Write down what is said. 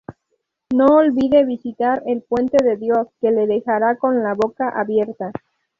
No olvide visitar el Puente de Dios, que le dejará con la boca abierta.